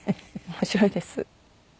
面白いです。